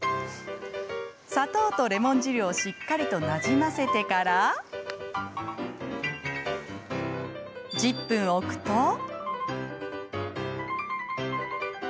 砂糖とレモン汁をしっかりとなじませてから１０分置くと。